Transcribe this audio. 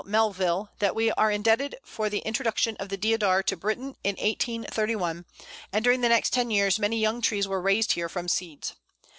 Melville that we are indebted for the introduction of the Deodar to Britain in 1831, and during the next ten years many young trees were raised here from seeds.